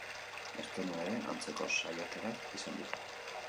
Estonian ere antzeko saiakerak izan dira.